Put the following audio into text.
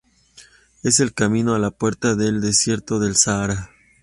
Es el camino a la puerta del Desierto de Sáhara.